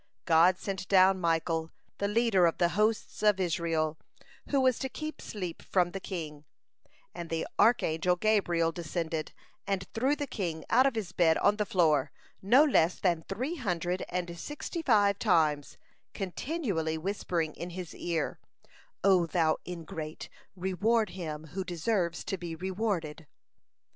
God sent down Michael, the leader of the hosts of Israel, who was to keep sleep from the king, (163) and the archangel Gabriel descended, and threw the king out of his bed on the floor, no less than three hundred and sixty five times, continually whispering in his ear: "O thou ingrate, reward him who deserves to be rewarded."